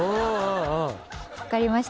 分かりました。